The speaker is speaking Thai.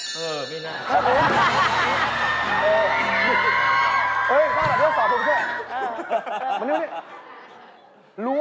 ครับ